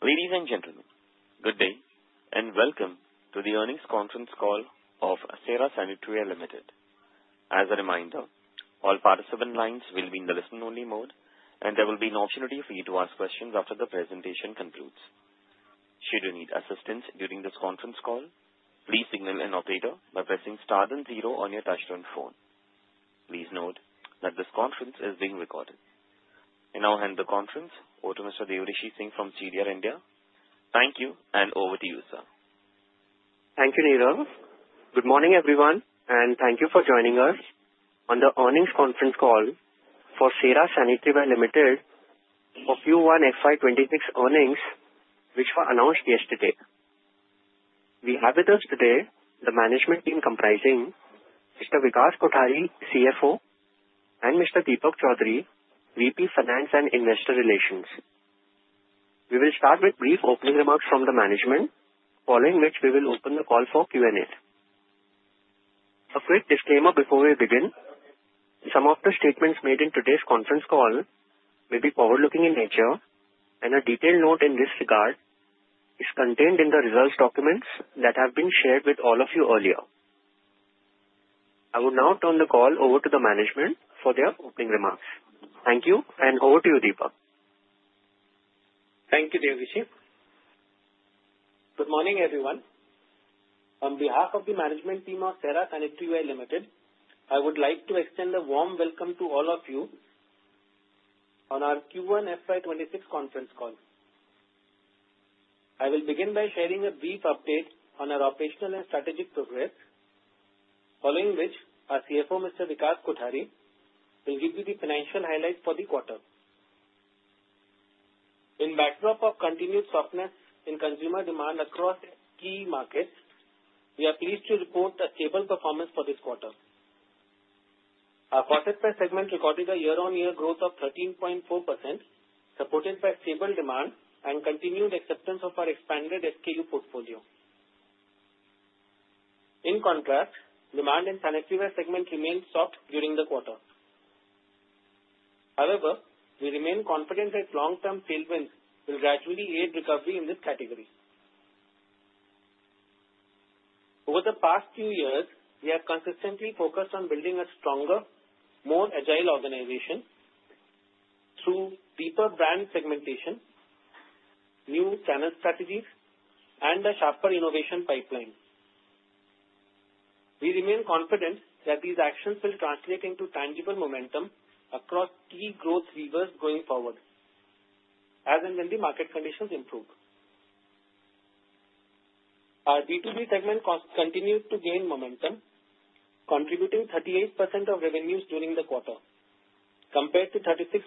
Ladies and gentlemen, good day and welcome to the earnings conference call of Cera Sanitaryware Limited. As a reminder, all participant lines will be in the listen-only mode, and there will be an opportunity for you to ask questions after the presentation concludes. Should you need assistance during this conference call, please signal an operator by pressing star then zero on your touch-tone phone. Please note that this conference is being recorded. In our hands of the conference, over to Mr. Devrishi Singh from CDR India. Thank you, and over to you, sir. Thank you, Neerav. Good morning, everyone, and thank you for joining us on the earnings conference call for Cera Sanitaryware Limited for Q1 FY2026 earnings, which were announced yesterday. We have with us today the management team comprising Mr. Vikas Kothari, CFO, and Mr. Deepak Choudhury, Vice President of Finance and Investor Relations. We will start with brief opening remarks from the management, following which we will open the call for Q&A. A quick disclaimer before we begin. Some of the statements made in today's conference call may be forward-looking in nature, and a detailed note in this regard is contained in the results documents that have been shared with all of you earlier. I will now turn the call over to the management for their opening remarks. Thank you, and over to you, Deepak. Thank you, Devarishi. Good morning, everyone. On behalf of the management team of Cera Sanitaryware Limited, I would like to extend a warm welcome to all of you on our Q1 FY2026 conference call. I will begin by sharing a brief update on our operational and strategic progress, following which our CFO, Mr. Vikas Kothari, will give you the financial highlights for the quarter. In the backdrop of continued softness in consumer demand across key markets, we are pleased to report a stable performance for this quarter. Our quarter-by-segment recorded a year-on-year growth of 13.4%, supported by stable demand and continued acceptance of our expanded SKU portfolio. In contrast, demand in the sanitaryware segment remained soft during the quarter. However, we remain confident that long-term tailwinds will gradually aid recovery in this category. Over the past few years, we have consistently focused on building a stronger, more agile organization through deeper brand segmentation, new channel strategies, and a sharper innovation pipeline. We remain confident that these actions will translate into tangible momentum across key growth levers going forward, as and when the market conditions improve. Our B2B segment continues to gain momentum, contributing 38% of revenues during the quarter, compared to 36%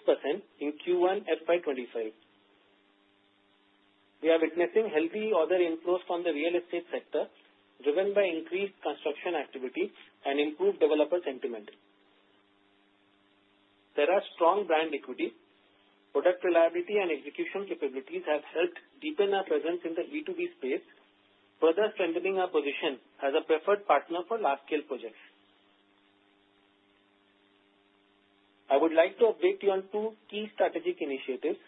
in Q1 FY2025. We are witnessing healthy other inflows from the real estate sector, driven by increased construction activity and improved developer sentiment. Cera's strong brand equity, product reliability, and execution capabilities have helped deepen our presence in the B2B space, further strengthening our position as a preferred partner for large-scale projects. I would like to update you on two key strategic initiatives.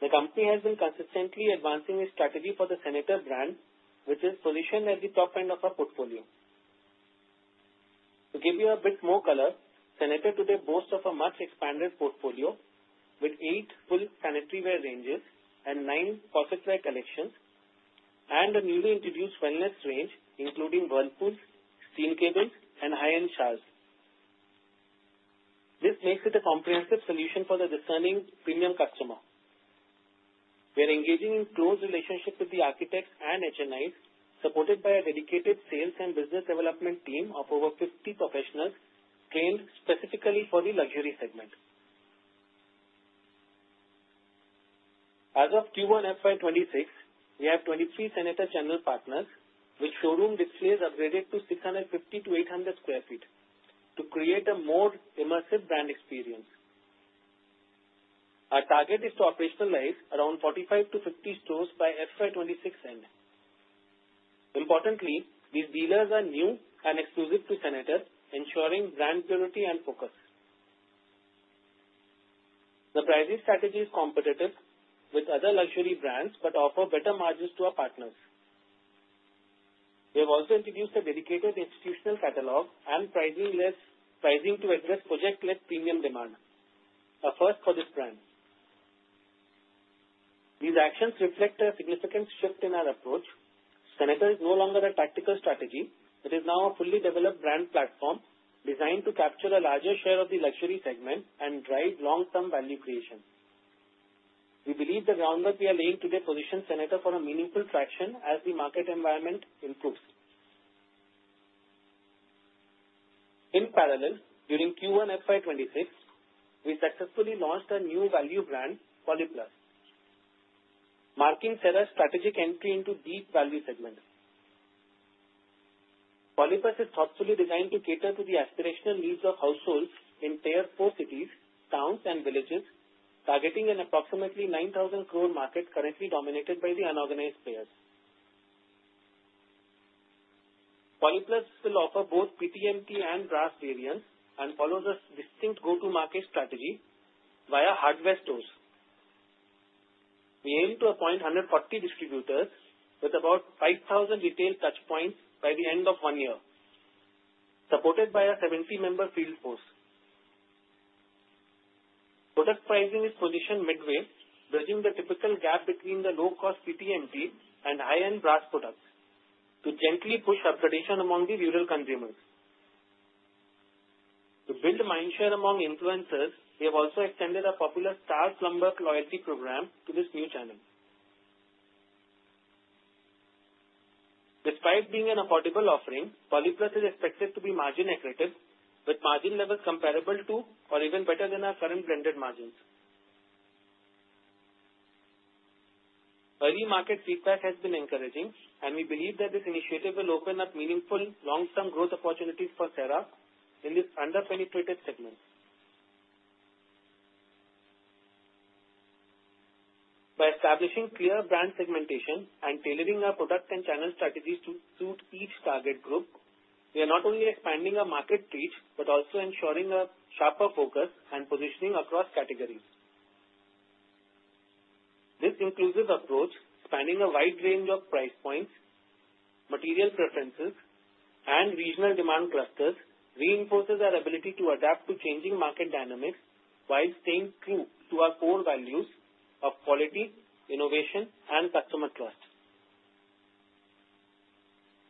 The company has been consistently advancing its strategy for the Sanitare brand, which is positioned at the top end of our portfolio. To give you a bit more color, Sanitare today boasts of a much-expanded portfolio with eight full sanitaryware ranges and nine closetware collections, and a newly introduced wellness range, including whirlpools, steam cabins, and high-end showers. This makes it a comprehensive solution for the discerning premium customer. We are engaging in close relationships with the architects and HNIs, supported by a dedicated sales and business development team of over 50 professionals trained specifically for the luxury segment. As of Q1 FY2026, we have 23 Sanitare channel partners, with showroom displays upgraded to 650 to 800 square feet to create a more immersive brand experience. Our target is to operationalize around 45 to 50 stores by FY2026 end. Importantly, these dealers are new and exclusive to Sanitare, ensuring brand purity and focus. The pricing strategy is competitive with other luxury brands but offers better margins to our partners. We have also introduced a dedicated institutional catalog and pricing to address project-led premium demand, a first for this brand. These actions reflect a significant shift in our approach. Sanitare is no longer a tactical strategy, it is now a fully developed brand platform designed to capture a larger share of the luxury segment and drive long-term value creation. We believe the groundwork we are laying today positions Sanitare for meaningful traction as the market environment improves. In parallel, during Q1 FY2026, we successfully launched a new value brand, Polyplus, marking Cera's strategic entry into the deep value segment. Polyplus is thoughtfully designed to cater to the aspirational needs of households in Tier 4 cities, towns, and villages, targeting an approximately 9,000 crore market currently dominated by the unorganized players. Polyplus will offer both PTMT and brass variants and follows a distinct go-to-market strategy via hardware stores. We aim to appoint 140 distributors with about 5,000 retail touchpoints by the end of one year, supported by a 70-member field force. Product pricing is positioned midway, bridging the typical gap between the low-cost PTMT and high-end brass products to gently push uptradition among the usual consumers. To build mindshare among influencers, we have also extended a popular Star Plumber loyalty program to this new channel. Despite being an affordable offering, Polyplus is expected to be margin accurate, with margin levels comparable to or even better than our current branded margins. Early market feedback has been encouraging, and we believe that this initiative will open up meaningful long-term growth opportunities for Cera in this underpenetrated segment. By establishing clear brand segmentation and tailoring our product and channel strategies to suit each target group, we are not only expanding our market reach but also ensuring a sharper focus and positioning across categories. This inclusive approach, spanning a wide range of price points, material preferences, and regional demand clusters, reinforces our ability to adapt to changing market dynamics while staying true to our core values of quality, innovation, and customer trust.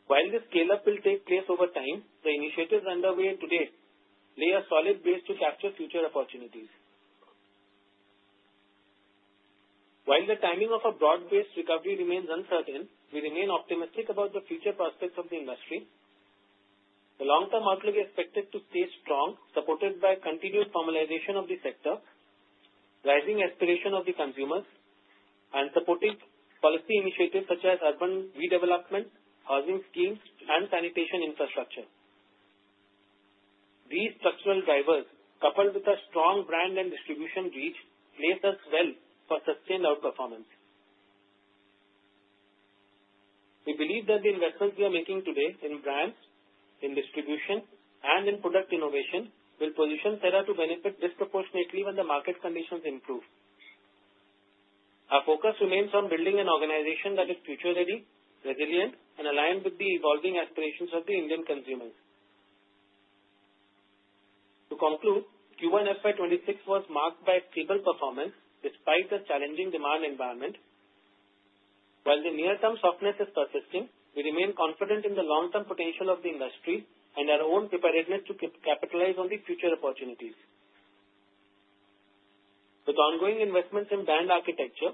While this scale-up will take place over time, the initiatives underway today lay a solid base to capture future opportunities. While the timing of a broad-based recovery remains uncertain, we remain optimistic about the future prospects of the industry. The long-term market is expected to stay strong, supported by continued normalization of the sector, rising aspirations of the consumers, and supporting policy initiatives such as urban redevelopment, housing schemes, and sanitation infrastructure. These structural drivers, coupled with a strong brand and distribution reach, lay the groundwork for sustained outperformance. We believe that the investments we are making today in brands, in distribution, and in product innovation will position Cera to benefit disproportionately when the market conditions improve. Our focus remains on building an organization that is future-ready, resilient, and aligned with the evolving aspirations of the Indian consumer. To conclude, Q1 FY2026 was marked by a stable performance despite a challenging demand environment. While the near-term softness is persisting, we remain confident in the long-term potential of the industry and our own preparedness to capitalize on the future opportunities. With ongoing investments in brand architecture,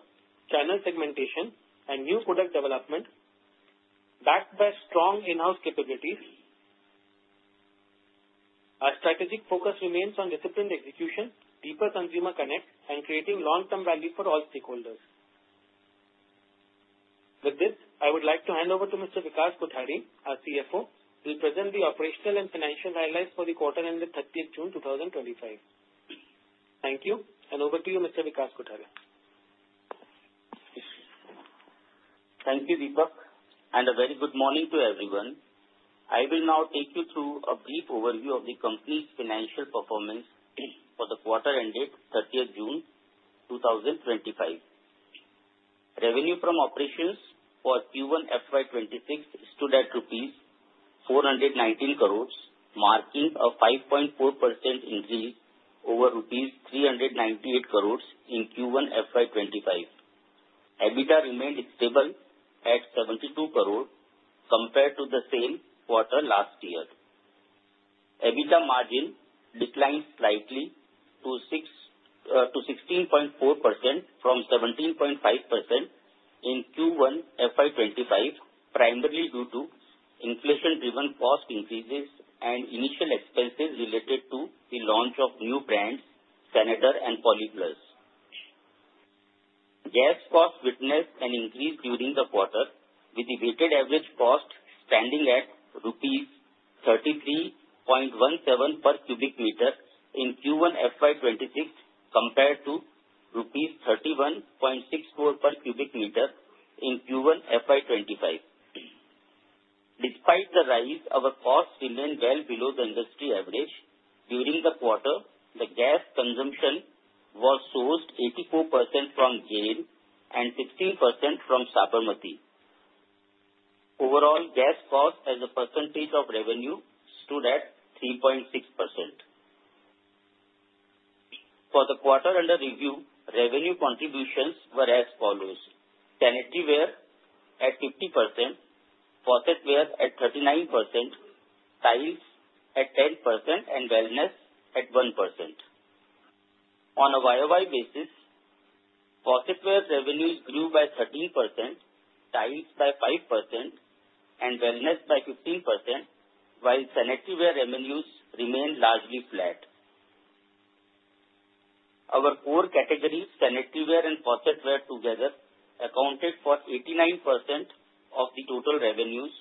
channel segmentation, and new product development, backed by strong in-house capabilities, our strategic focus remains on disciplined execution, deeper consumer connect, and creating long-term value for all stakeholders. With this, I would like to hand over to Mr. Vikas Kothari, our CFO, to present the operational and financial highlights for the quarter ended 30th June 2025. Thank you, and over to you, Mr. Vikas Kothari. Thank you, Deepak, and a very good morning to everyone. I will now take you through a brief overview of the company's financial performance for the quarter ended June 30, 2025. Revenue from operations for Q1 FY2026 stood at rupees 419 crore, marking a 5.4% increase over rupees 398 crore in Q1 FY2025. EBITDA remained stable at 72 crore compared to the same quarter last year. EBITDA margin declined slightly to 16.4% from 17.5% in Q1 FY2025, primarily due to inflation-driven cost increases and initial expenses related to the launch of new brands, Sanitare and Polyplus. Gas costs witnessed an increase during the quarter, with the weighted average cost standing at rupees 33.17 per cubic meter in Q1 FY2026 compared to INR 31.64 per cubic meter in Q1 FY2025. Despite the rise, our costs remained well below the industry average. During the quarter, the gas consumption was sourced 84% from GAIL and 16% from Sabarmati. Overall, gas costs as a percentage of revenue stood at 3.6%. For the quarter under review, revenue contributions were as follows: sanitaryware at 50%, faucetware at 39%, tiles at 10%, and wellness at 1%. On a YOY basis, faucetware revenues grew by 13%, tiles by 5%, and wellness by 15%, while sanitaryware revenues remained largely flat. Our core categories, sanitaryware and faucetware together, accounted for 89% of the total revenues.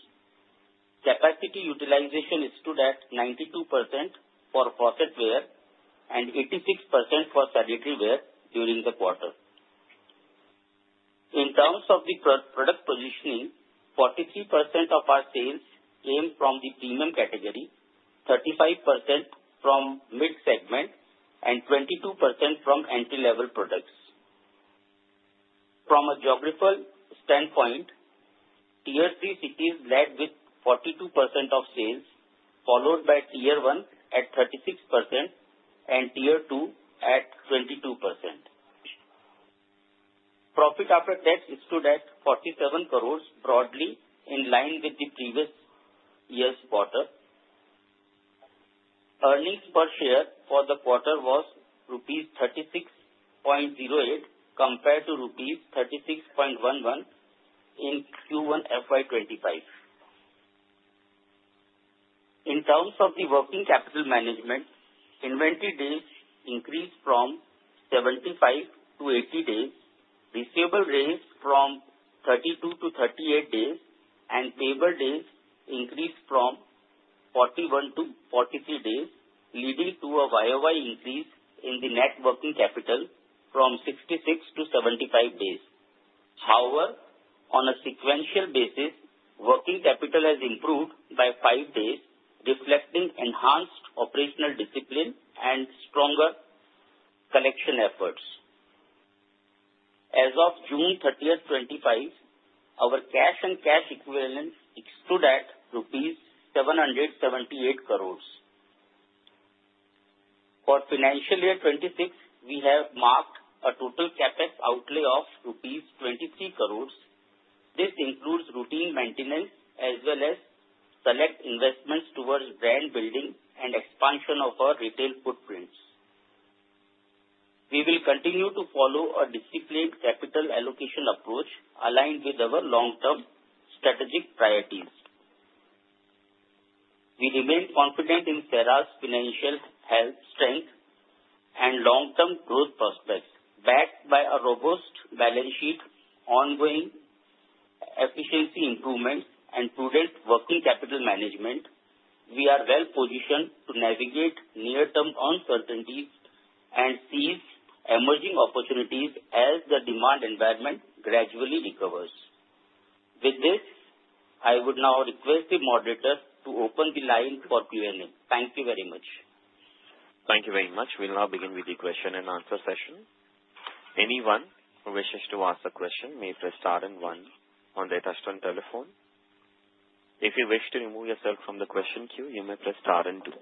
Capacity utilization stood at 92% for faucetware and 86% for sanitaryware during the quarter. In terms of the product positioning, 43% of our sales came from the premium category, 35% from mid-segment, and 22% from entry-level products. From a geographical standpoint, Tier 3 cities led with 42% of sales, followed by Tier 1 at 36% and Tier 2 at 22%. Profit after tax stood at 47 crore, broadly in line with the previous year's quarter. Earnings per share for the quarter was rupees 36.08 compared to rupees 36.11 in Q1 FY2025. In terms of the working capital management, inventory days increased from 75 to 80 days, receivable days from 32 to 38 days, and payable days increased from 41 to 43 days, leading to a YOY increase in the net working capital from 66 to 75 days. However, on a sequential basis, working capital has improved by 5 days, reflecting enhanced operational discipline and stronger collection efforts. As of June 30, 2025, our cash and cash equivalents stood at INR 778 crore. For financial year 2026, we have marked a total CapEx outlay of rupees 23 crore. This includes routine maintenance as well as select investments towards brand building and expansion of our retail footprints. We will continue to follow a disciplined capital allocation approach aligned with our long-term strategic priorities. We remain confident in Cera's financial health, strength, and long-term growth prospects. Backed by a robust balance sheet, ongoing efficiency improvements, and prudent working capital management, we are well positioned to navigate near-term uncertainties and seize emerging opportunities as the demand environment gradually recovers. With this, I would now request the moderator to open the line for Q&A. Thank you very much. Thank you very much. We'll now begin with the question and answer session. Anyone who wishes to ask a question may press star and one on their touch-tone telephone. If you wish to remove yourself from the question queue, you may press star and two.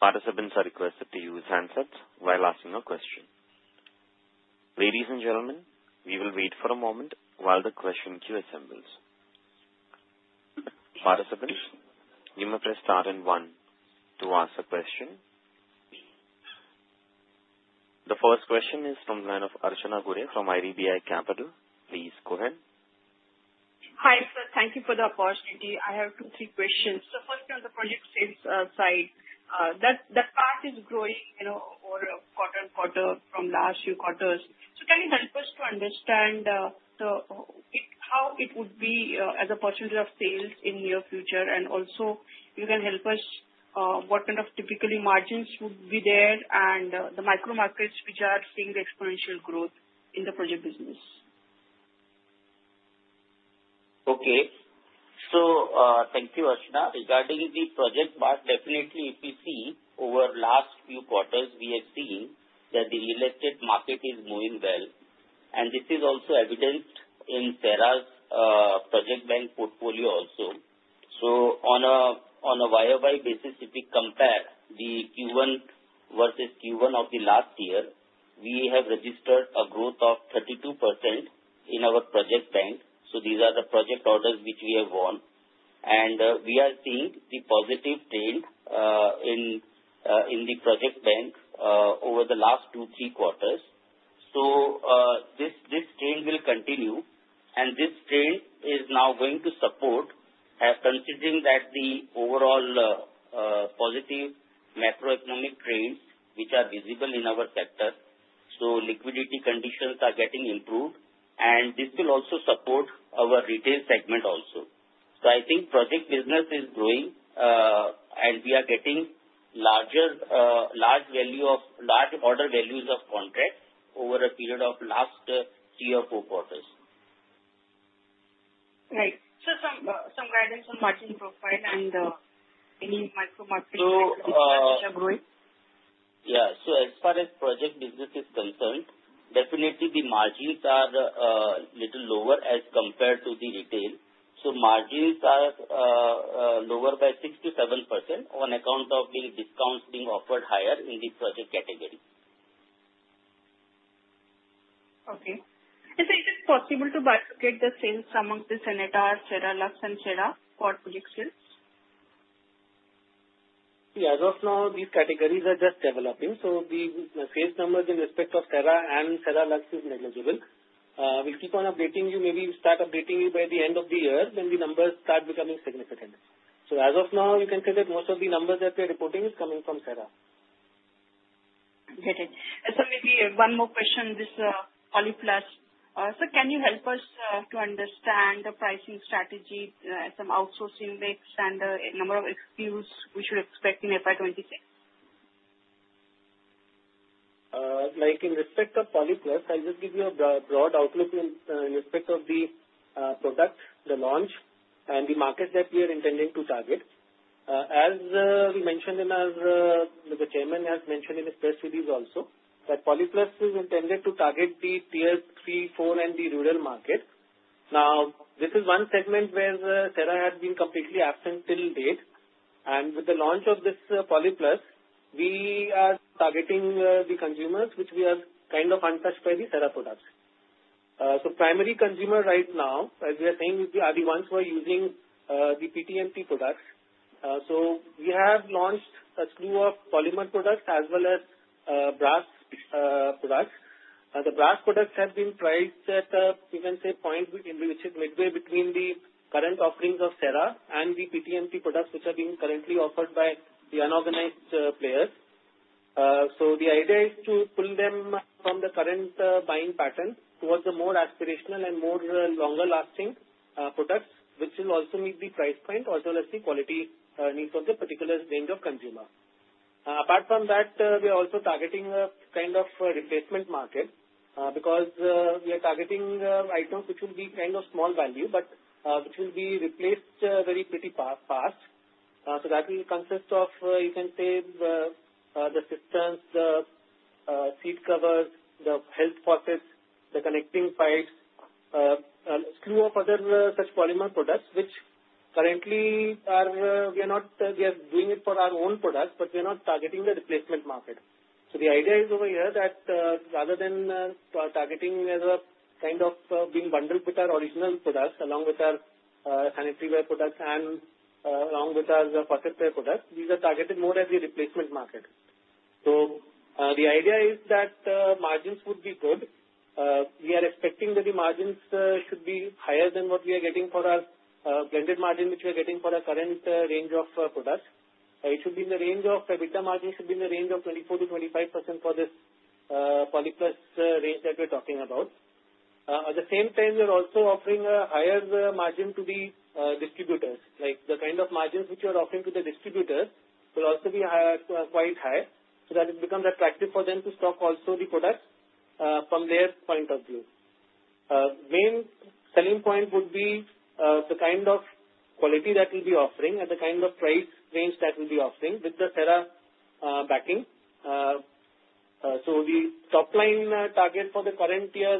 Participants are requested to use handsets while asking a question. Ladies and gentlemen, we will wait for a moment while the question queue assembles. Participants, you may press star and one to ask a question. The first question is from the line of Arjun Guria from IDBI Capital. Please go ahead. Hi, sir. Thank you for the opportunity. I have two, three questions. First, on the project sales side, the fact is growing over quarter on quarter from last few quarters. Can you help us to understand how it would be as a percentage of sales in the near future? Also, can you help us what kind of typically margins would be there and the micro markets which are seeing the exponential growth in the project business. Okay. Thank you, Arjuna. Regarding the project, definitely EPC, over the last few quarters, we are seeing that the real estate market is moving well. This is also evidenced in Cera Sanitaryware Limited's project bank portfolio. On a YOY basis, if we compare Q1 versus Q1 of last year, we have registered a growth of 32% in our project bank. These are the project orders which we have won. We are seeing the positive trend in the project bank over the last two or three quarters. This trend will continue. This trend is now going to support, as considering the overall positive macroeconomic trends, which are visible in our sector, liquidity conditions are getting improved. This will also support our retail segment. I think project business is growing, and we are getting larger order values of contracts over a period of the last three or four quarters. Nice. Any guidance on margin profile and any micro market growth? Yeah. As far as project business is concerned, definitely the margins are a little lower as compared to the retail. Margins are lower by 6%-7% on account of the discounts being offered higher in the project category. Okay. Is it possible to basket the sales among the Sanitare, Cera Lux, and Cera for project sales? As of now, these categories are just developing. The sales numbers in respect of Cera and Cera Lux is negligible. We'll keep on updating you. Maybe we'll start updating you by the end of the year when the numbers start becoming significant. As of now, you can tell that most of the numbers that we are reporting are coming from Cera. Okay. Maybe one more question. This is Polyplus. Can you help us to understand the pricing strategy, some outsourcing mix, and the number of SKUs we should expect in FY2026? In respect of Polyplus, I'll just give you a broad outlook in respect of the product, the launch, and the markets that we are intending to target. As we mentioned, the Chairman has mentioned in his press release also, that Polyplus is intended to target the Tier 3, 4, and the rural market. This is one segment where Cera has been completely absent till date. With the launch of this Polyplus, we are targeting the consumers, which are kind of untouched by the Cera products. The primary consumer right now, as we are saying, are the ones who are using the PTMT products. We have launched a slew of polymer products as well as brass products. The brass products have been priced at a point which is in relation midway between the current offerings of Cera and the PTMT products, which are being currently offered by the unorganized players. The idea is to pull them from the current buying pattern towards the more aspirational and more longer-lasting products, which will also meet the price point, alternacy quality needs of the particular range of consumer. Apart from that, we are also targeting a kind of replacement market because we are targeting items which will be kind of small value, but which will be replaced very pretty fast. That will consist of the systems, the seat covers, the health pockets, the connecting pipes, a slew of other such polymer products, which currently we are doing it for our own products, but we are not targeting the replacement market. The idea is over here that rather than being bundled with our original products along with our sanitaryware products and along with our faucetware products, these are targeted more at the replacement market. The idea is that margins would be good. We are expecting that the margins should be higher than what we are getting for our blended margin, which we are getting for our current range of products. It should be in the range of the EBITDA margin should be in the range of 24%-25% for this Polyplus range that we're talking about. At the same time, we are also offering a higher margin to the distributors. The kind of margins which you are offering to the distributor will also be quite high so that it becomes attractive for them to stock also the products from their point of view. The main selling point would be the kind of quality that we'll be offering at the kind of price range that we'll be offering with the Cera backing. The top line target for the current year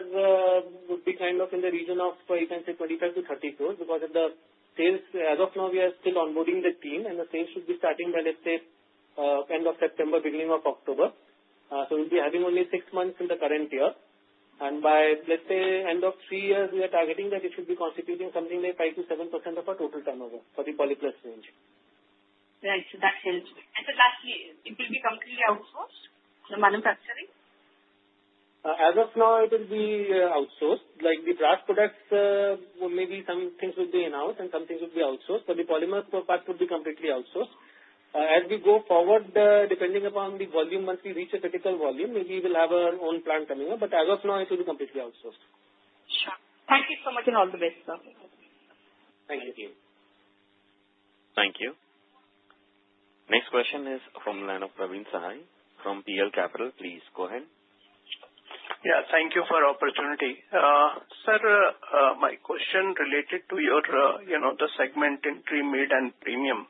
would be kind of in the region of, you can say, 25-30 crore because of the sales. As of now, we are still onboarding the team, and the sales should be starting by, let's say, end of September, beginning of October. We'll be having only six months in the current year. By, let's say, end of three years, we are targeting that it should be constituting something like 5%-7% of our total turnover for the Polyplus range. Right. That helps. Last year, it will be completely outsourced, the manufacturing? As of now, it will be outsourced. Like the brass products, maybe some things would be in-house and some things would be outsourced. The polymer part would be completely outsourced. As we go forward, depending upon the volume, once we reach a critical volume, maybe we'll have our own plan coming up. As of now, it will be completely outsourced. Sure. Thank you so much, and all the best, sir. Thank you, team. Thank you. Next question is from the line of Praveen Sahai from PL Capital. Please go ahead. Thank you for the opportunity. Sir, my question related to your, you know, the segment entry mid and premium.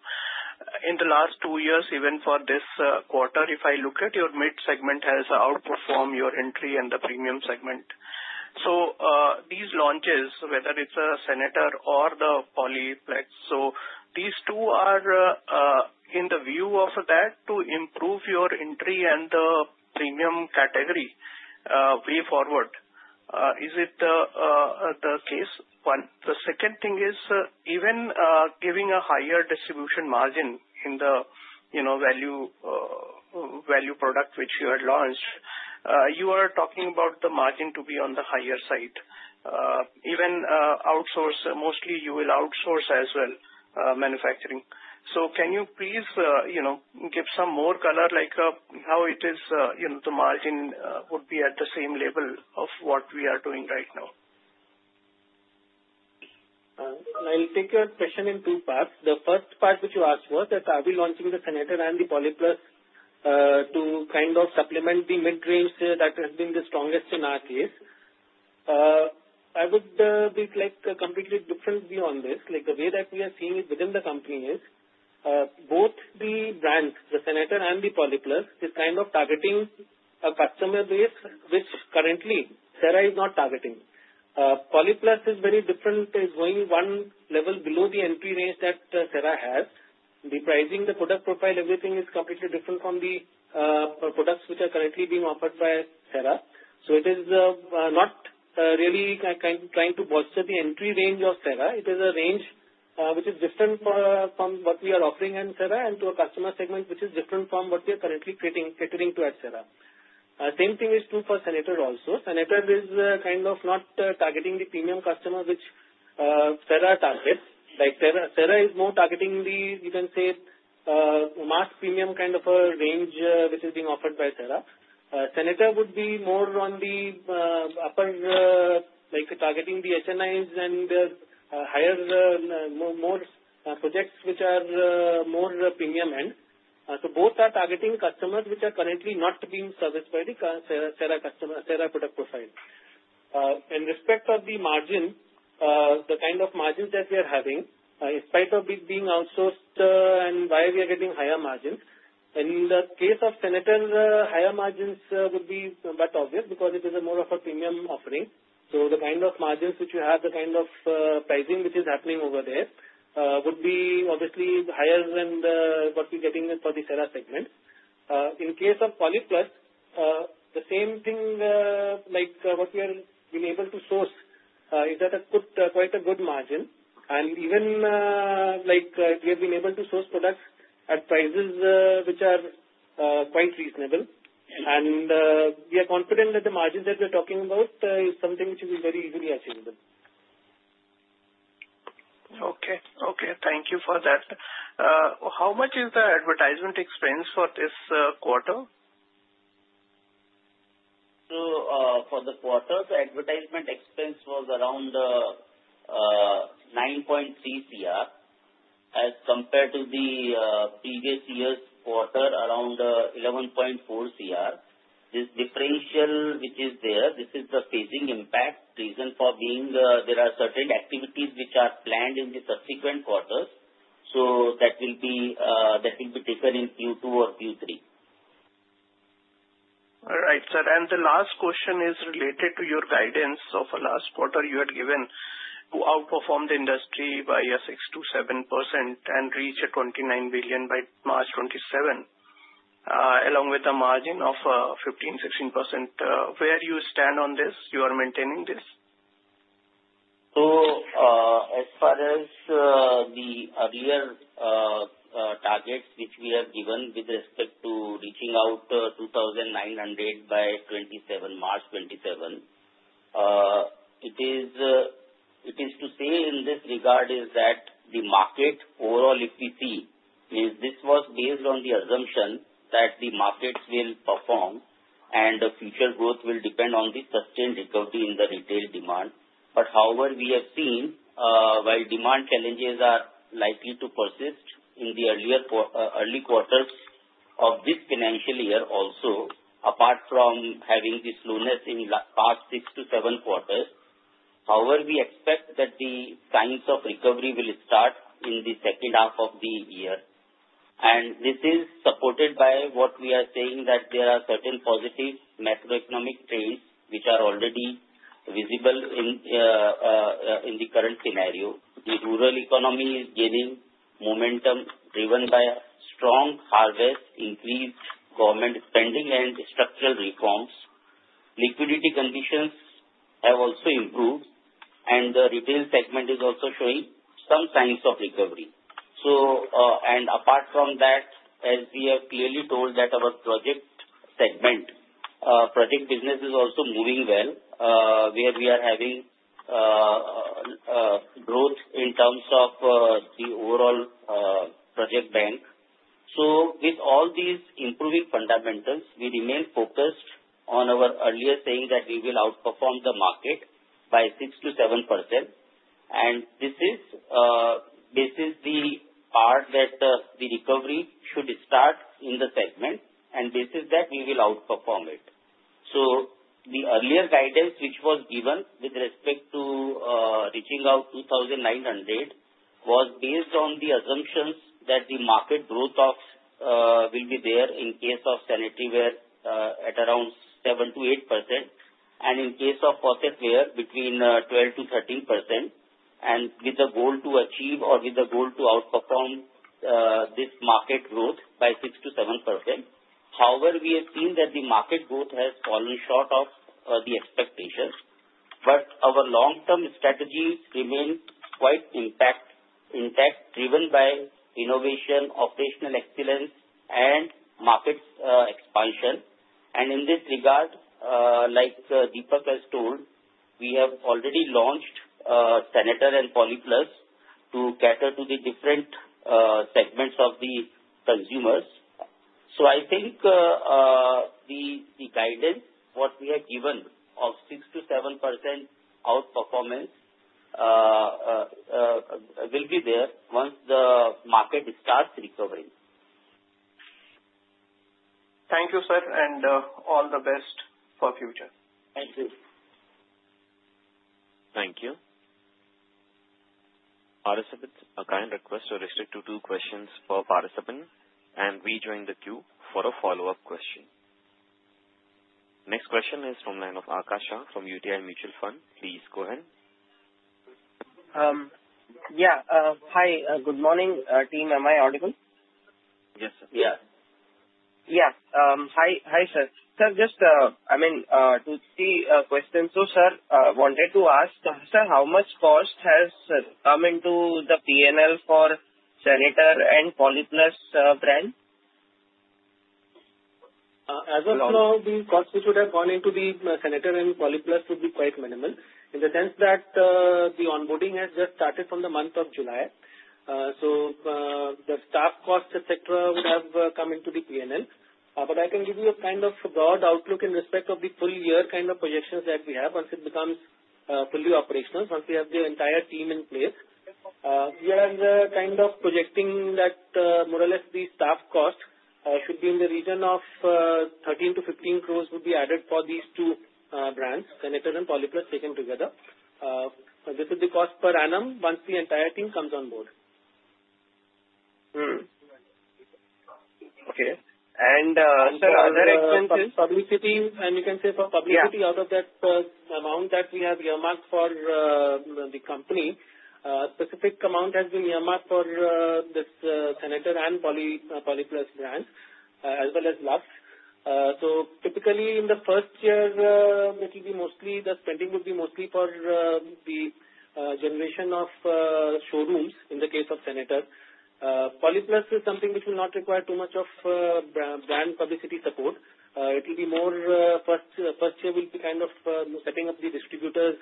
In the last two years, even for this quarter, if I look at your mid segment, it has outperformed your entry and the premium segment. These launches, whether it's Sanitare or the Polyplus, these two are, in the view of that to improve your entry and the premium category, way forward. Is it the case? One. The second thing is, even giving a higher distribution margin in the, you know, value, value product which you had launched, you are talking about the margin to be on the higher side. Even, mostly you will outsource as well, manufacturing. Can you please, you know, give some more color, like, how it is, you know, the margin, would be at the same level of what we are doing right now? I'll take your question in two parts. The first part which you asked was that are we launching with the Sanitare and the Polyplus, to kind of supplement the mid range that has been the strongest in our case? I would be like a completely different view on this. The way that we are seeing it within the company is, both the brands, the Sanitare and the Polyplus, are kind of targeting a customer base which currently Cera is not targeting. Polyplus is very different. It's going one level below the NP range that Cera has. The pricing, the product profile, everything is completely different from the products which are currently being offered by Cera. It is not really kind of trying to bolster the entry range of Cera. It is a range which is different from what we are offering in Cera and to a customer segment which is different from what we are currently catering to at Cera. The same thing is true for Sanitare also. Sanitare is kind of not targeting the premium customer which Cera targets. Cera is more targeting the, you can say, mass premium kind of a range which is being offered by Cera. Sanitare would be more on the upper, like targeting the HNIs and the higher, more projects which are more premium end. Both are targeting customers which are currently not being serviced by the Cera product profile. In respect of the margin, the kind of margins that we are having, in spite of being outsourced and why we are getting higher margins. In the case of Sanitare, higher margins would be much obvious because it is more of a premium offering. The kind of margins which you have, the kind of pricing which is happening over there, would be obviously higher than what we're getting for the Cera segment. In case of Polyplus, the same thing, like what we have been able to source, is at quite a good margin. Even, like we have been able to source products at prices which are quite reasonable. We are confident that the margins that we are talking about is something which will be very easily achievable. Okay. Thank you for that. How much is the advertisement expense for this quarter? For the quarter, the advertisement expense was around 9.3 crore as compared to the previous year's quarter, around 11.4 crore. This differential which is there is the phasing impact, reason for being there are certain activities which are planned in the subsequent quarters. That will be the implication in Q2 or Q3. All right, sir. The last question is related to your guidance of the last quarter. You had given to outperform the industry by 6 to 7% and reach 29 billion by March 2027, along with a margin of 15 to 16%. Where do you stand on this? You are maintaining this? As far as the earlier targets which we have given with respect to reaching out 2,900 by March 2027, it is to say in this regard that the market overall, if we see, this was based on the assumption that the markets will perform and the future growth will depend on the sustained recovery in the retail demand. However, we have seen, while demand challenges are likely to persist in the early quarters of this financial year also, apart from having the slowness in the past six to seven quarters, we expect that the signs of recovery will start in the second half of the year. This is supported by what we are saying that there are certain positive macroeconomic trends which are already visible in the current scenario. The rural economy is gaining momentum driven by a strong harvest, increased government spending, and structural reforms. Liquidity conditions have also improved, and the retail segment is also showing some signs of recovery. Apart from that, as we have clearly told, our project segment, project business is also moving well, where we are having growth in terms of the overall project bank. With all these improving fundamentals, we remain focused on our earlier saying that we will outperform the market by 6%-7%. This is the part that the recovery should start in the segment, and this is that we will outperform it. The earlier guidance which was given with respect to reaching out 2,900 was based on the assumptions that the market growth will be there in case of sanitaryware at around 7%-8% and in case of faucetware between 12% to 13% and with a goal to achieve or with a goal to outperform this market growth by 6%-7%. However, we have seen that the market growth has fallen short of the expectations, but our long-term strategies remain quite intact, driven by innovation, operational excellence, and market expansion. In this regard, like Deepak Choudhary has told, we have already launched Sanitare and Polyplus to cater to the different segments of the consumers. I think the guidance, what we have given of 6% to 7% outperformance, will be there once the market starts recovering. Thank you, sir, and all the best for the future. Thank you. Thank you. Participants, a kind request to restrict to two questions per participant and rejoin the queue for a follow-up question. Next question is from the line of Akash Shah from UTI Mutual Fund. Please go ahead. Yeah, hi. Good morning, team. Am I audible? Yes, sir. Yeah Yeah. Hi, hi, sir. Sir, just, I mean, two questions. Sir, I wanted to ask, sir, how much cost has come into the P&L for Sanitare and Polyplus brand? As of now, the cost which would have gone into the Sanitare and Polyplus would be quite minimal in the sense that the onboarding has just started from the month of July. The staff costs, etc., would have come into the P&L. I can give you a kind of broad outlook in respect of the full year kind of projections that we have once it becomes fully operational, once we have the entire team in place. We are kind of projecting that, more or less, the staff cost should be in the region of 13 to 15 crore would be added for these two brands, Sanitare and Polyplus taken together. This is the cost per annum once the entire team comes on board. Okay. Sir, are there? You can say for publicity out of that amount that we have earmarked for the company, a specific amount has been earmarked for the Sanitare and Polyplus brands, as well as Lux. Typically, in the first year, the spending would be mostly for the generation of showrooms in the case of Sanitare. Polyplus is something which will not require too much of brand publicity support. It will be more, first year will be kind of setting up the distributors,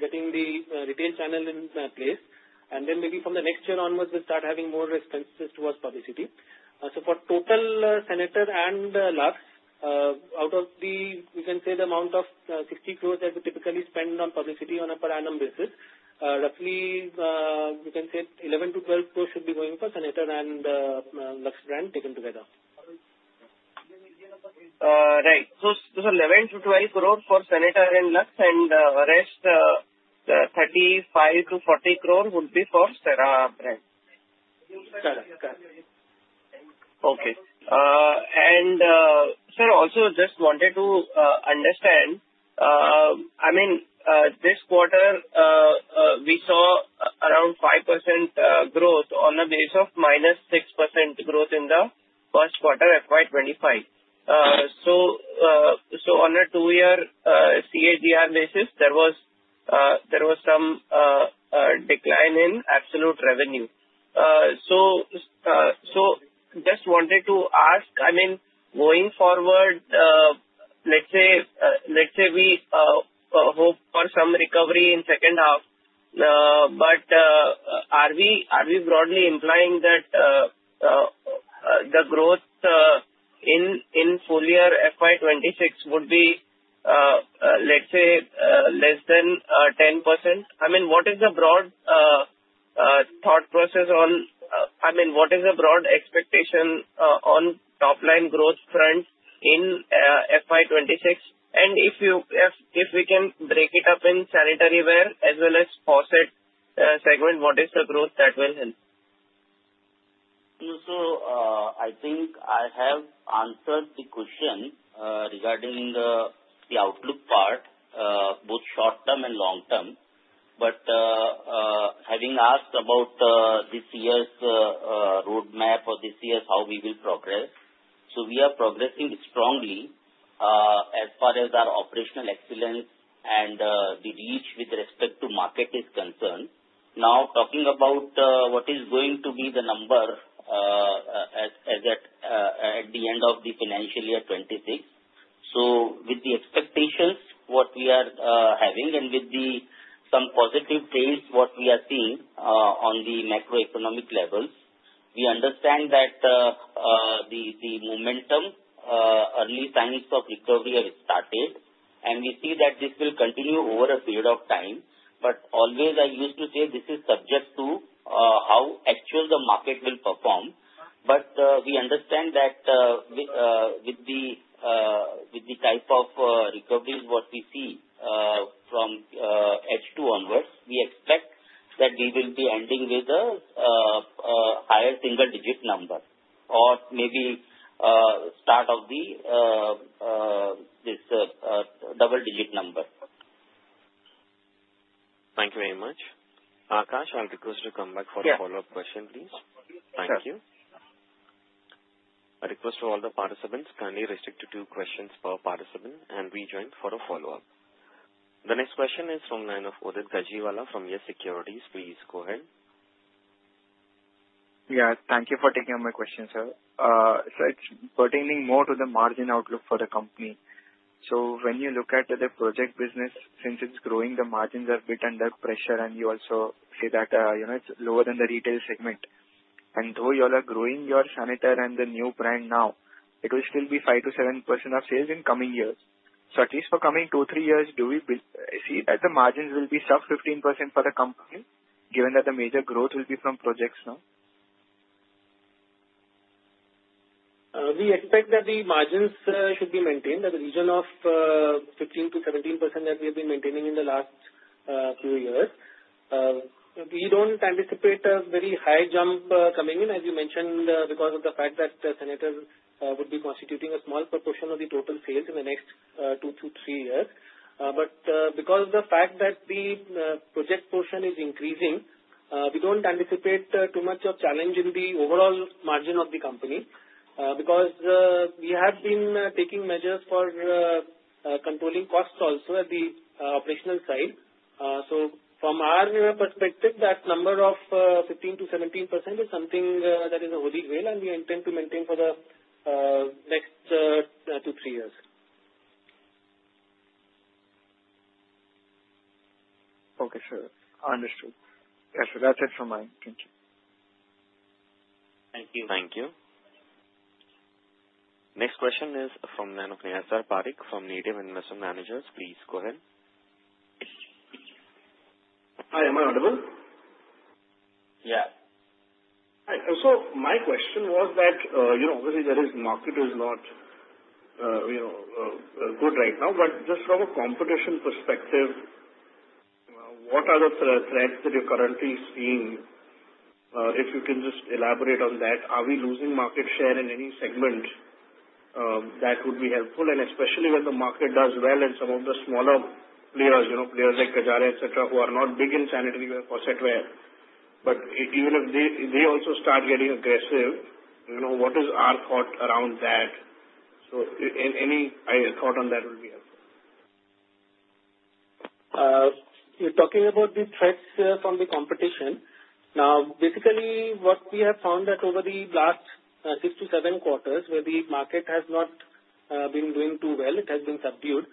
getting the retail channel in place. Maybe from the next year onwards, we'll start having more expenses towards publicity. For total Sanitare and Lux, out of the amount of 60 crores that we typically spend on publicity on a per annum basis, roughly, we can say 11 to 12 crores should be going for Sanitare and Lux brand taken together. Right. 11 to 12 crores for Sanitare and Lux, and the rest, 35 to 40 crores, would be for Cera brand. Okay, sir, also just wanted to understand, I mean, this quarter, we saw around 5% growth on the basis of minus 6% growth in the first quarter at 0.25. On a two-year CAGR basis, there was some decline in absolute revenue. I just wanted to ask, going forward, let's say we hope for some recovery in the second half. Are we broadly implying that the growth in full year FY2026 would be, let's say, less than 10%? I mean, what is the broad thought process on, I mean, what is the broad expectation on top line growth fronts in FY2026? If we can break it up in sanitaryware as well as faucet segment, what is the growth that will help? I think I have answered the question regarding the outlook part, both short term and long term. Having asked about this year's roadmap or this year's how we will progress, we are progressing strongly as far as our operational excellence and the reach with respect to market is concerned. Now, talking about what is going to be the number at the end of the financial year 2026, with the expectations we are having and with some positive things we are seeing on the macroeconomic levels, we understand that the momentum, early signs of recovery have started. We see that this will continue over a period of time. I used to say this is subject to how actual the market will perform. We understand that with the type of recovery we see from H2 onwards, we expect that we will be ending with a higher single-digit number or maybe start of this double-digit number. Thank you very much. Akash, I'll request you to come back for a follow-up question, please. Thank you. I request from all the participants, kindly restrict to two questions per participant and rejoin for a follow-up. The next question is from the line of Amit Kajaria from ICICI Securities. Please go ahead. Thank you for taking up my question, sir. It's pertaining more to the margin outlook for the company. When you look at the project business, since it's growing, the margins are a bit under pressure, and you also see that it's lower than the retail segment. Though you all are growing your Sanitare and the new brand now, it will still be 5% to 7% of sales in coming years. At least for the coming two, three years, do we see that the margins will be sub 15% for the company, given that the major growth will be from projects now? We expect that the margins should be maintained at a region of 15%-17% that we have been maintaining in the last few years. We don't anticipate a very high jump coming in, as you mentioned, because of the fact that Sanitare would be constituting a small proportion of the total sales in the next two to three years. However, because of the fact that the project portion is increasing, we don't anticipate too much of a challenge in the overall margin of the company, because we have been taking measures for controlling costs also at the operational side. From our perspective, that number of 15%-17% is something that is a holy grail and we intend to maintain for the next two to three years. Okay, sir. Understood. Okay, sir. That's it from mine. Thank you. Thank you. Thank you. Next question is from the line of Nirav Parikh from Nivesh Investment Managers. Please go ahead. Hi, am I audible? Yes. Sir, my question was that, you know, obviously, the market is not good right now, but just from a competition perspective, what are the threats that you're currently seeing? If you can just elaborate on that, are we losing market share in any segment? That would be helpful, especially when the market does well and some of the smaller players, you know, players like Jaquar, etc., who are not big in sanitaryware and faucetware. Even if they also start getting aggressive, you know, what is our thought around that? Any thought on that would be helpful. You're talking about the threats from the competition. Now, basically, what we have found is that over the last six to seven quarters where the market has not been doing too well, it has been subdued.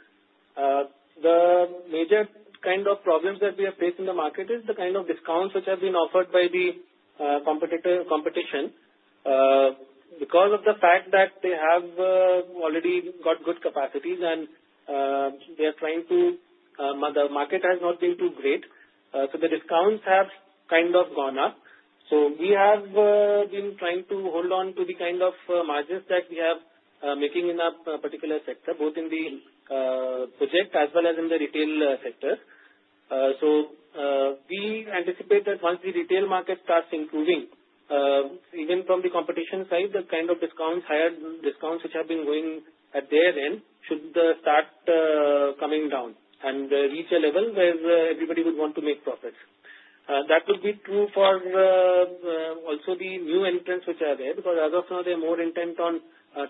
The major kind of problems that we have faced in the market is the kind of discounts which have been offered by the competition because of the fact that they have already got good capacities and they are trying to, the market has not been too great. The discounts have kind of gone up. We have been trying to hold on to the kind of margins that we are making in a particular sector, both in the projects as well as in the retail sector. We anticipate that once the retail market starts improving, even from the competition side, the kind of higher discounts which have been going at their end should start coming down and reach a level where everybody would want to make profits. That would be true for also the new entrants which are there because as of now, they're more intent on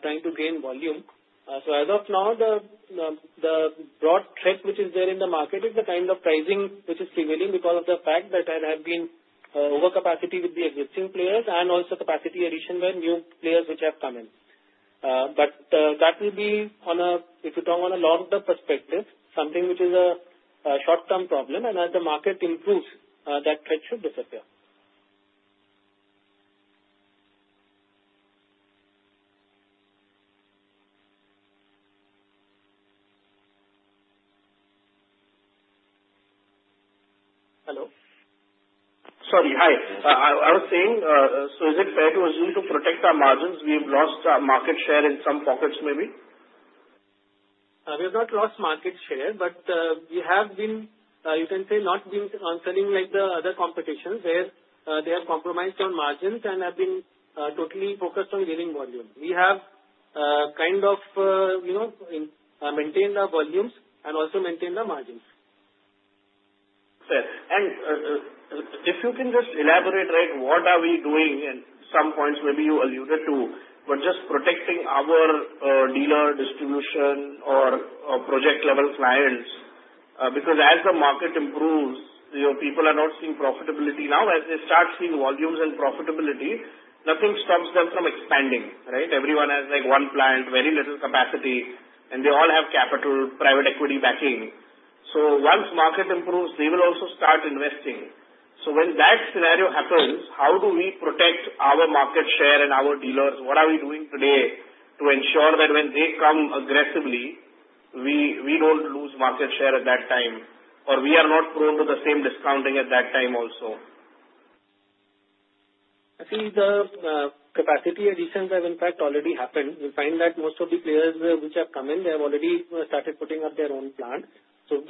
trying to gain volume. As of now, the broad threat which is there in the market is the kind of pricing which is prevailing because of the fact that there has been overcapacity with the existing players and also capacity addition where new players which have come in. If you talk on a long-term perspective, that is something which is a short-term problem. As the market improves, that threat should disappear. Sorry. Hi. I was saying, is it fair to assume to protect our margins, we've lost our market share in some pockets maybe? We have not lost market share, but we have been, you can say, not being concerning like the other competitions where they have compromised on margins and have been totally focused on gaining volume. We have kind of maintained our volumes and also maintained our margins. Fair. If you can just elaborate, what are we doing? Some points maybe you alluded to, but just protecting our dealer distribution or project-level clients. As the market improves, people are not seeing profitability. As they start seeing volumes and profitability, nothing stops them from expanding, right? Everyone has one plant, very little capacity, and they all have capital, private equity backing. Once the market improves, they will also start investing. When that scenario happens, how do we protect our market share and our dealers? What are we doing today to ensure that when they come aggressively, we don't lose market share at that time or we are not prone to the same discounting at that time also? See, the capacity additions have, in fact, already happened. You find that most of the players which have come in, they have already started putting up their own plant.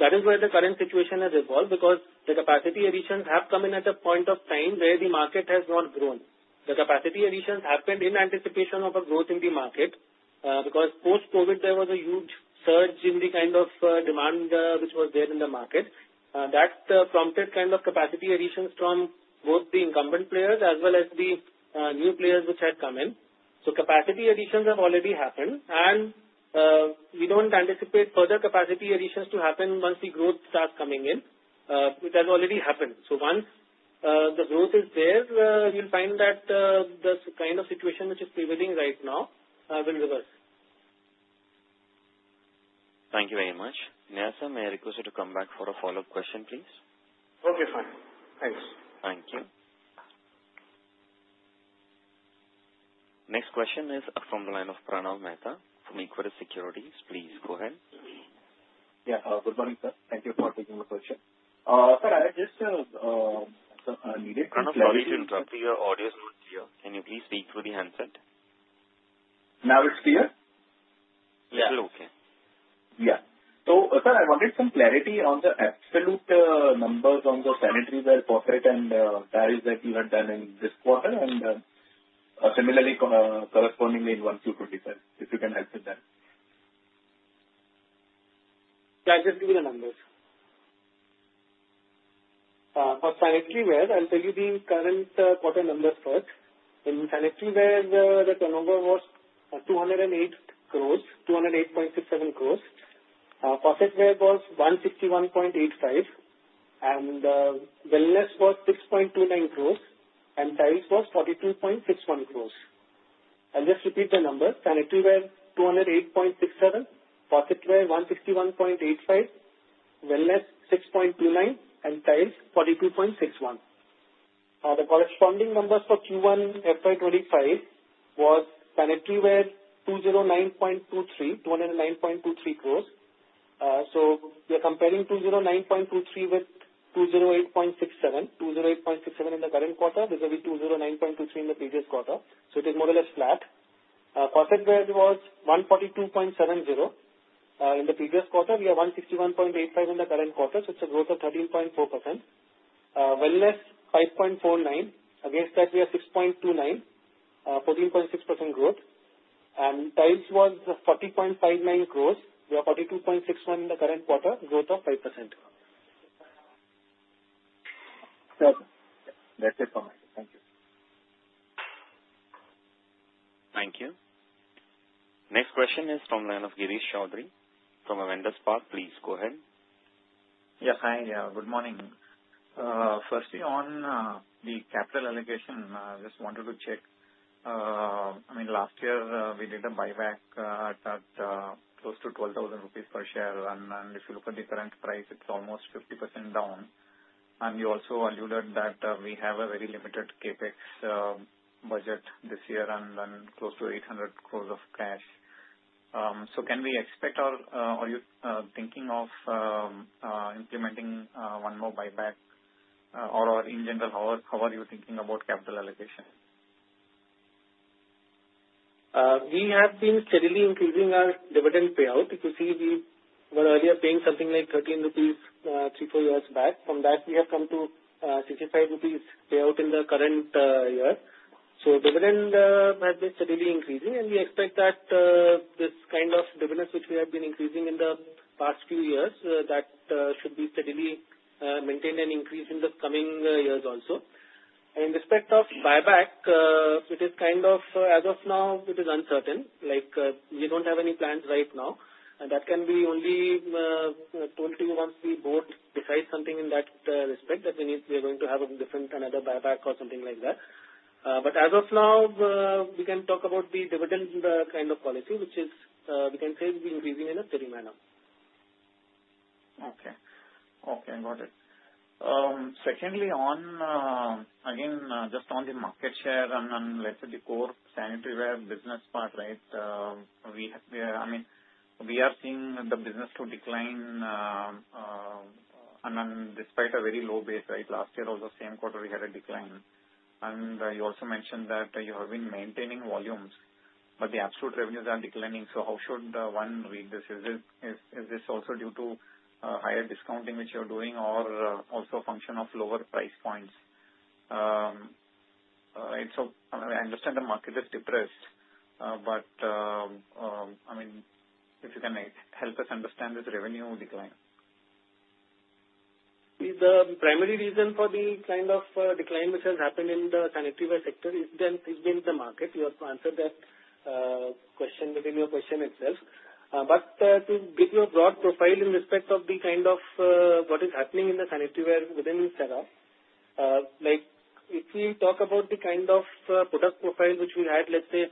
That is where the current situation has evolved because the capacity additions have come in at a point of time where the market has not grown. The capacity additions happened in anticipation of a growth in the market because post-COVID, there was a huge surge in the kind of demand which was there in the market. That prompted kind of capacity additions from both the incumbent players as well as the new players which had come in. Capacity additions have already happened. We don't anticipate further capacity additions to happen once the growth starts coming in, which has already happened. Once the growth is there, you'll find that the kind of situation which is prevailing right now will reverse. Thank you very much. Niazar, may I request you to come back for a follow-up question, please? Okay, fine. Thanks. Thank you. Next question is from the line of Pranav Mehta from Equirus Securities. Please go ahead. Yeah. Good morning, sir. Thank you for taking the question. Sir, I just needed to. Pranav, sorry to interrupt. Make sure your audio is clear. Can you please speak through the headset? Now it's clear? Yeah. Okay. Yeah, sir, I wanted some clarity on the absolute numbers on the sanitaryware, faucetware, and tiles that you have done in this quarter and similarly correspondingly in Q1 too. Yeah, I just need the numbers. For sanitaryware, I'll tell you the current quarter numbers first. In sanitaryware, the turnover was 208.67 crores. Faucetware was 161.85 crores. The wellness was 6.29 crores, and tiles was 42.61 crores. I'll just repeat the numbers. Sanitaryware, 208.67 crores. Faucetware, 161.85 crores. Wellness, 6.29 crores, and tiles, 42.61 crores. The corresponding number for Q1 FY2025 was sanitaryware, 209.23 crores. We are comparing 209.23 crores with 208.67 crores. 208.67 crores in the current quarter. This will be 209.23 crores in the previous quarter. It is more or less flat. Faucetware was 142.70 crores in the previous quarter. We are 161.85 crores in the current quarter. It's a growth of 13.4%. Wellness, 5.49 crores. Against that, we are 6.29 crores, 14.6% growth. Tiles was 40.59 crores. We are 42.61 crores in the current quarter, growth of 5%. Thank you. Next question is from the line of Girish Chaudhary from Avendus Capital. Please go ahead. Yeah. Hi. Good morning. Firstly, on the capital allocation, I just wanted to check. I mean, last year, we did a buyback at close to 12,000 rupees per share. If you look at the current price, it's almost 50% down. You also alluded that we have a very limited CapEx budget this year and then close to 800 crore of cash. Can we expect—are you thinking of implementing one more buyback? In general, how are you thinking about capital allocation? We have seen steadily increasing our dividend payout. If you see, we were earlier paying something like 13 rupees three, four years back. From that, we have come to 65 rupees payout in the current year. Dividend has been steadily increasing. We expect that this kind of dividend, which we have been increasing in the past few years, should be steadily maintained and increased in the coming years also. In respect of buyback, as of now, it is uncertain. We don't have any plans right now. That can be only told to you once we both decide something in that respect, that we need, we're going to have a different, another buyback or something like that. As of now, we can talk about the dividend policy, which is, we can say, will be increasing in a steady manner. Okay. Got it. Secondly, just on the market share and let's say the core sanitaryware business part, right? We are seeing the business decline. Despite a very low base, last year, also same quarter, we had a decline. You also mentioned that you have been maintaining volumes, but the absolute revenues are declining. How should one read this? Is this also due to a higher discounting which you're doing or also a function of lower price points? I understand the market is depressed. If you can help us understand this revenue decline. The primary reason for the kind of decline which has happened in the sanitaryware sector is the market. You have to answer that question within your question itself. To give you a broad profile in respect of what is happening in the sanitaryware within Cera, if you talk about the kind of product profile which we had, let's say,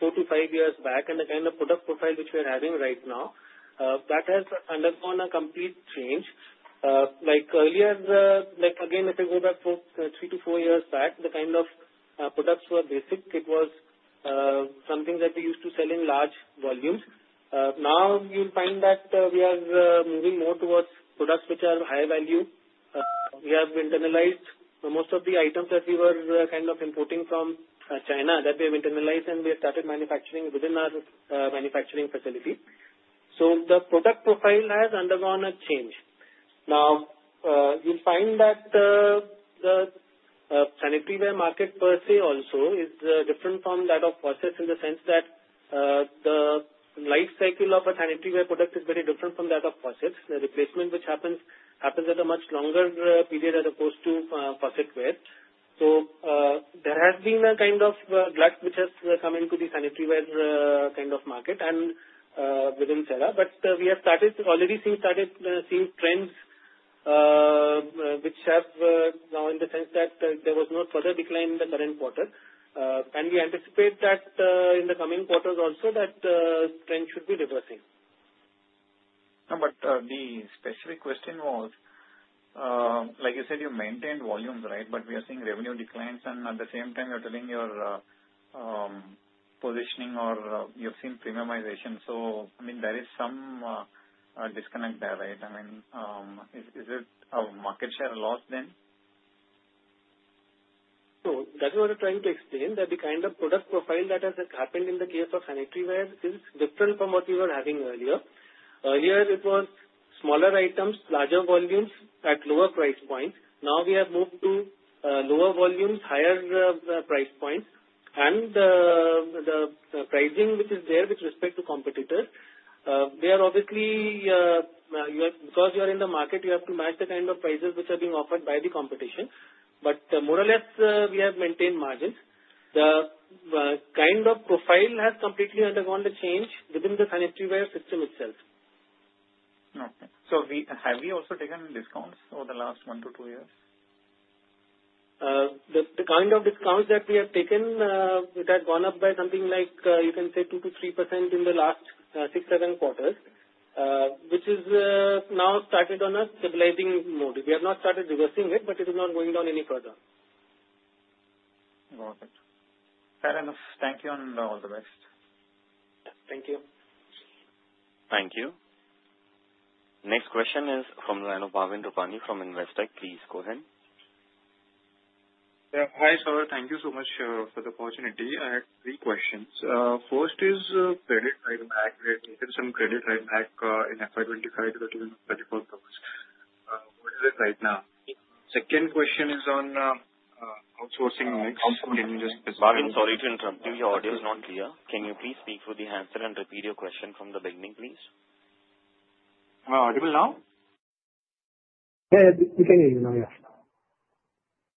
four to five years back and the kind of product profile which we are having right now, that has undergone a complete change. Like earlier, if I go back three to four years back, the kind of products were basic. It was something that we used to sell in large volumes. Now, you'll find that we are moving more towards products which are higher value. We have internalized most of the items that we were importing from China that we have internalized and we have started manufacturing within our manufacturing facility. The product profile has undergone a change. Now, you'll find that the sanitaryware market per se also is different from that of faucets in the sense that the life cycle of a sanitaryware product is very different from that of faucets. The replacement which happens happens at a much longer period as opposed to faucetware. There has been a kind of glut which has come into the sanitaryware market and within Cera. We have already started seeing trends which have now in the sense that there was no further decline in the current quarter. We anticipate that in the coming quarters also the trend should be reversing. The specific question was, like you said, you maintained volumes, right? We are seeing revenue declines. At the same time, you're telling your positioning or you've seen premiumization. I mean, there is some disconnect there, right? I mean, is it a market share loss then? That's what I'm trying to explain, that the kind of product profile that has happened in the case of sanitaryware is different from what we were having earlier. Earlier, it was smaller items, larger volumes at lower price points. Now, we have moved to lower volumes, higher price points. The pricing which is there with respect to competitors, they are obviously because you are in the market, you have to match the kind of prices which are being offered by the competition. More or less, we have maintained margins. The kind of profile has completely undergone the change within the sanitaryware system itself. Okay. Have we also taken any discounts over the last one to two years? The kind of discounts that we have taken, it had gone up by something like, you can say, 2% to 3% in the last six or seven quarters, which is now started on a stabilizing mode. We have not started reversing it, but it is not going down any further. Got it. Fair enough. Thank you and all the best. Thank you. Thank you. Next question is from the line of Bhavin Rupani from Investec. Please go ahead. Yeah. Hi, sir. Thank you so much for the opportunity. I had three questions. First is credit write-back. We have taken some credit write-back in FY2025 to the 234 crores we're at right now. Second question is on outsourcing mix. Bhavin, sorry to interrupt you. Your audio is not clear. Can you please speak through the answer and repeat your question from the beginning, please? Audible now? Yes, you can hear me now, yes.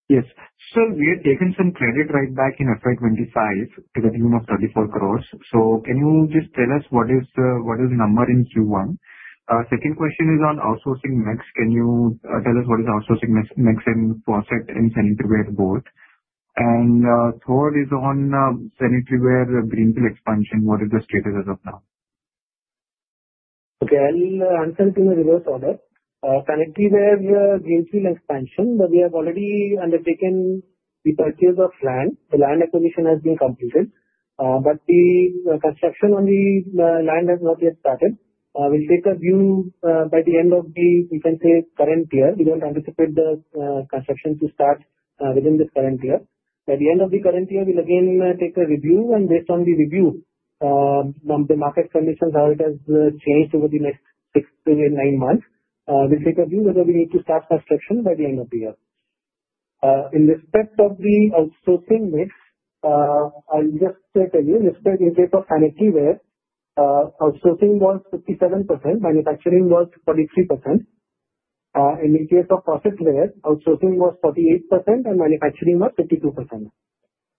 Yes. Sir, we have taken some credit right back in FY2025 to the tune of 34 crore. Can you just tell us what is the number in Q1? Second question is on outsourcing mix. Can you tell us what is outsourcing mix in faucetware and sanitaryware both? Third is on sanitaryware greenfield expansion. What is the status as of now? Okay. I'll answer it in the reverse order. Sanitaryware greenfield expansion, we have already undertaken the purchase of land. The land acquisition has been completed, but the construction on the land has not yet started. We'll take a view by the end of the, you can say, current year. We don't anticipate the construction to start within this current year. By the end of the current year, we'll again take a review, and based on the review, the market conditions, how it has changed over the next six to nine months, we'll take a view whether we need to start construction by the end of the year. In respect of the outsourcing mix, I'll just tell you. In respect of sanitaryware, outsourcing was 57%. Manufacturing was 43%. In respect of faucetware, outsourcing was 48% and manufacturing was 52%.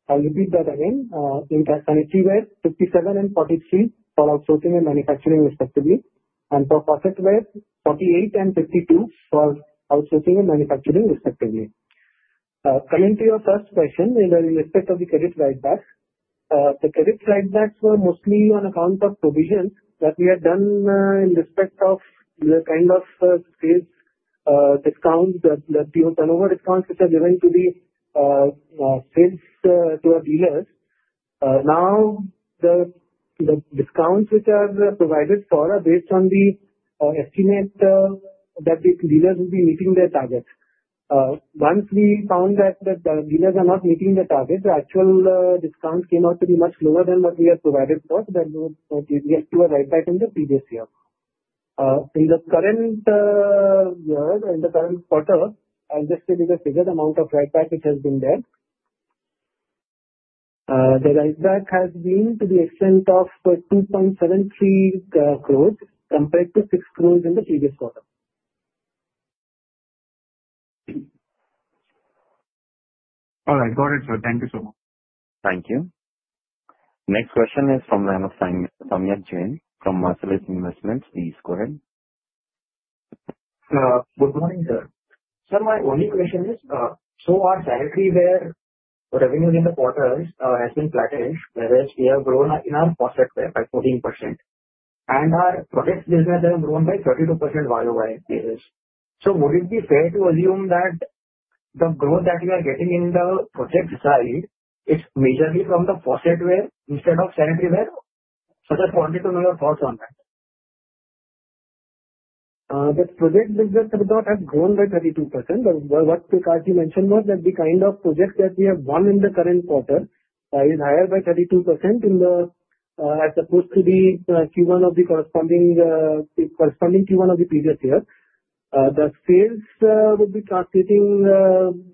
I'll repeat that again. In sanitaryware, 57% and 43% for outsourcing and manufacturing respectively. For faucetware, 48% and 52% for outsourcing and manufacturing respectively. Coming to your first question, in respect of the credit right back, the credit right back were mostly on account of provisions that we had done in respect of the kind of sales discount, the turnover discounts which are given to the sales to our dealers. The discounts which are provided for are based on the estimate that the dealers will be meeting their targets. Once we found that the dealers are not meeting their targets, the actual discounts came out to be much lower than what we had provided for than what we had to arrive at in the previous year. In the current year, in the current quarter, I'll just tell you the figure, the amount of right back which has been there. The right back has been to the extent of 2.73 crore compared to 6 crore in the previous quarter. All right. Got it, sir. Thank you so much. Thank you. Next question is from the line of Samyak Jain from Marcellus Investments. Please go ahead. Good morning, sir. Sir, my only question is, our sanitaryware revenue in the quarter has been plateaued, whereas we have grown in our faucetware by 14%. Our project business has grown by 32% while we were in sales. Would it be fair to assume that the growth that we are getting in the project side is majorly from the faucetware instead of sanitaryware? Just wanted to know your thoughts on that. The project business, it has grown by 32%. What you mentioned was that the kind of projects that we have won in the current quarter is higher by 32% as opposed to Q1 of the corresponding Q1 of the previous year. The sales will be cascading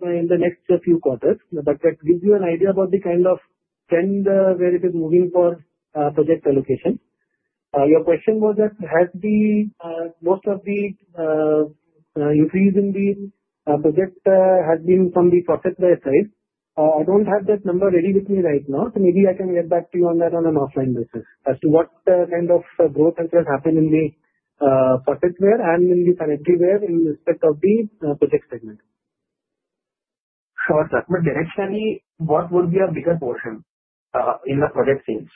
in the next few quarters. That gives you an idea about the kind of trend where it is moving for project allocation. Your question was that most of the utilities in the project have been from the faucetware side. I don't have that number ready with me right now. Maybe I can get back to you on that on an offline basis as to what kind of growth has happened in the faucetware and in the sanitaryware in respect of the project segment. Sorry, sir. Directionally, what would be a bigger portion in the project sales?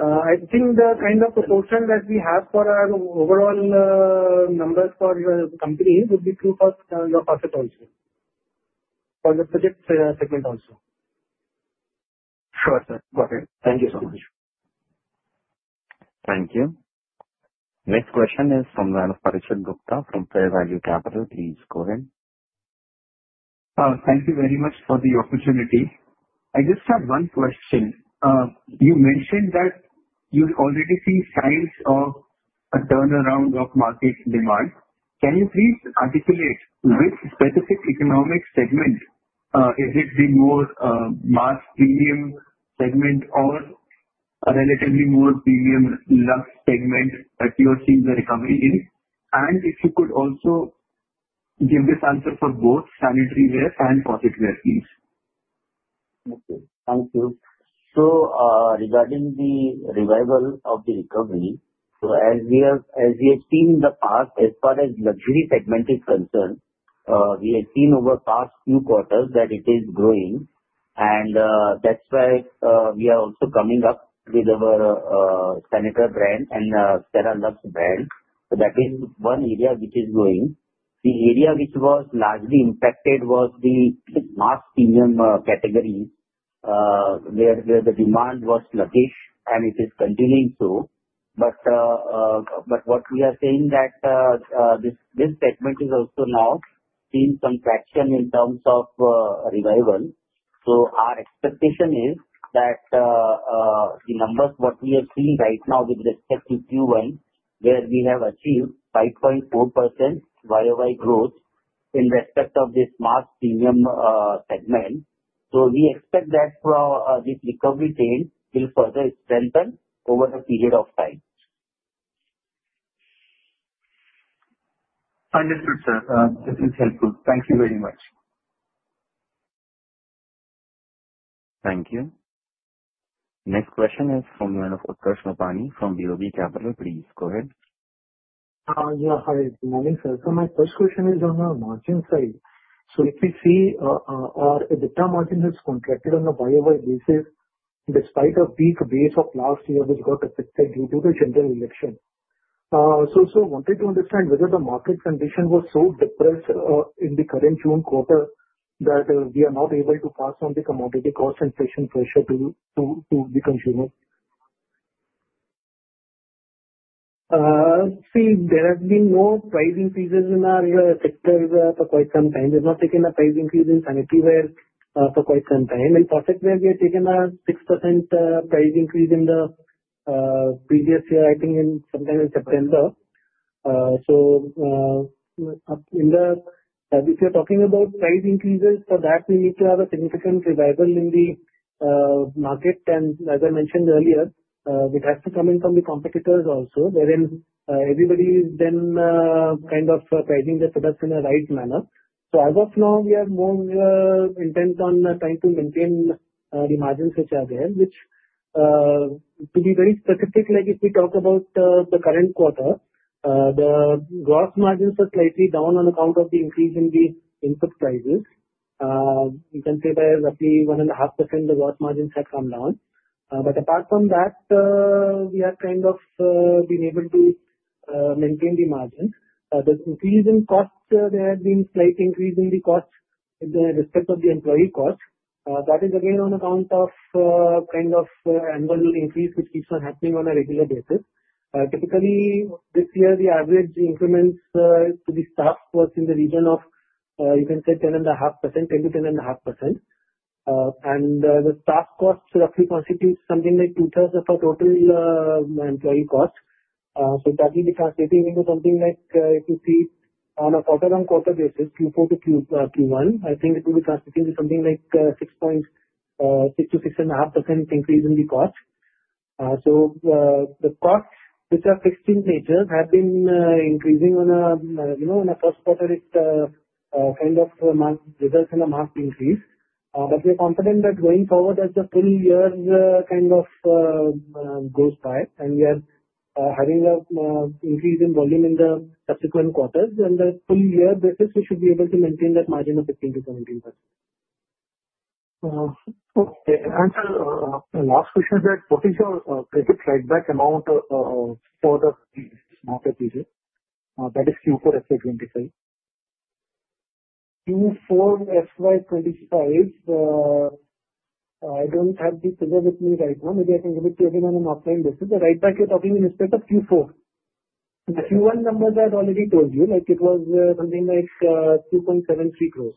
I think the kind of proportion that we have for our overall numbers for companies would be through your faucet also for the project segment also. Sure, sir. Got it. Thank you so much. Thank you. Next question is from the line of Parikshit Gupta from Fair Value Capital, please go ahead. Thank you very much for the opportunity. I just have one question. You mentioned that you already see signs of a turnaround of market demand. Can you please articulate which specific economic segment is it, the more mass premium segment or a relatively more premium luxe segment that you are seeing the recovery in? If you could also give this answer for both sanitaryware and faucetware, please. Okay. Thank you. Regarding the revival of the recovery, as we have seen in the past, as far as the luxury segment is concerned, we have seen over the past few quarters that it is growing. That is why we are also coming up with our Sanitare brand and Cera Lux brand. That is one area which is growing. The area which was largely impacted was the mass premium category where the demand was sluggish and it is continuing so. What we are saying is that this segment is also now seeing some traction in terms of revival. Our expectation is that the numbers we have seen right now with respect to Q1, where we have achieved 5.4% YoY growth in respect of this mass premium segment, will further strengthen over a period of time. Understood, sir. This is helpful. Thank you very much. Thank you. Next question is from the line of Prakash Rupani from BOBCAPS. Please go ahead. Hi. My name is Sir. My first question is on the margin side. If we see our EBITDA margin, which contracted on a YOY basis despite a weak base of last year, which got affected due to the general election, I wanted to understand whether the market condition was so depressed in the current June quarter that we are not able to pass on the commodity cost and inflation pressure to the consumer? See, there have been no price increases in our sector for quite some time. We have not taken a price increase in sanitaryware for quite some time. In faucetware, we have taken a 6% price increase in the previous year, I think, sometime in September. If you're talking about price increases for that, we need to have a significant revival in the market. As I mentioned earlier, it has to come in from the competitors also, wherein everybody is then kind of pricing their products in a right manner. As of now, we are more intent on trying to maintain the margins which are there, which to be very specific, like if we talk about the current quarter, the gross margins are slightly down on account of the increase in the input prices. You can say that at the 1.5%, the gross margins have come down. Apart from that, we have kind of been able to maintain the margins. The increase in cost, there has been a slight increase in the cost with respect to the employee cost. That is again on account of kind of annual increase which is happening on a regular basis. Typically, this year, the average increments to the staff was in the region of, you can say, 7.5%-10.5%. The staff cost roughly constitutes something like two-thirds of our total employee cost. That will be translating into something like, if you see on a quarter-on-quarter basis, Q4 to Q1, I think it will be translating to something like 6%-6.5% increase in the cost. The costs, which are fixed in nature, have been increasing in the first quarter, it kind of results in a marked increase. We are confident that going forward as the full year kind of goes by and we are having an increase in volume in the subsequent quarters, on the full year basis, we should be able to maintain that margin of 15%-17%. Okay. Sir, the last question is what is your credit write-back amount for the last addition? That is Q4 FY2025. Q4 FY2025, I don't have the figure with me right now. Maybe I can give it to you again on an offline basis. The write-back you're talking in, in respect of Q4. The Q1 numbers I had already told you, like it was something like 2.73 crore.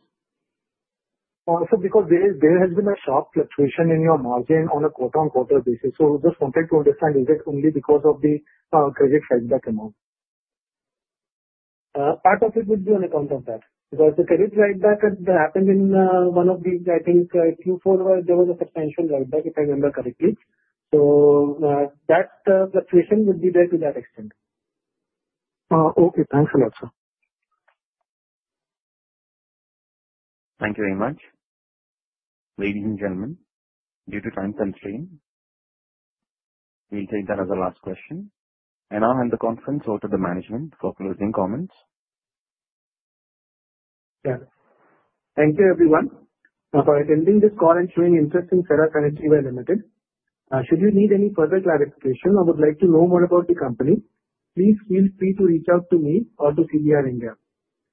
Because there has been a sharp fluctuation in your margin on a quarter-on-quarter basis, we just wanted to understand is it only because of the credit right back amount. Part of it will be on account of that because the credit right back happened in one of the, I think, Q4, there was a subvention right back, if I remember correctly. That fluctuation will be there to that extent. Okay, thanks a lot, sir. Thank you very much. Ladies and gentlemen, due to time constraint, we'll take that as a last question. I'll hand the conference over to the management for closing comments. Thank you, everyone, for attending this call and showing interest in Cera Sanitaryware Limited. Should you need any further clarification or would like to know more about the company, please feel free to reach out to me or to CDR India.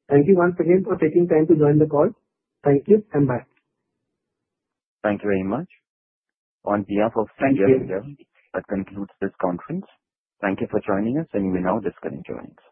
Thank you once again for taking time to join the call. Thank you and bye. Thank you very much. On behalf of CDR India, that concludes this conference. Thank you for joining us, and we now disconnect the lines.